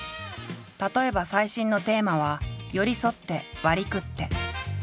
例えば最新のテーマは「寄り添って割食って」。